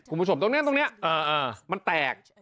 คุณผู้ชมตรงนี้มันแตก